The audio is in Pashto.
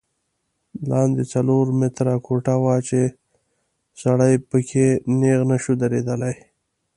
لاندې څلور متره کوټه وه چې سړی په کې نیغ نه شو درېدلی.